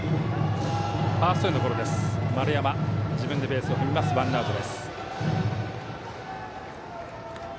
丸山、自分でベースを踏んでワンアウト。